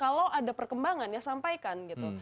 kalau ada perkembangan ya sampaikan gitu